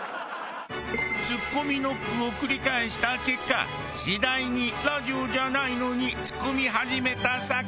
ツッコミノックを繰り返した結果次第にラジオじゃないのにツッコみ始めた酒井。